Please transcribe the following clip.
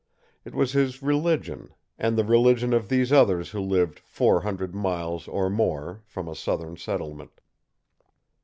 It was his religion, and the religion of these others who lived four hundred miles or more from a southern settlement.